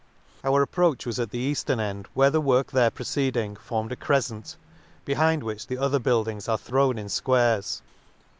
— Our approach was at the eaflern end, where the work there proceeding formed a crefcent, behind which the other build ings are throw r n in fquares.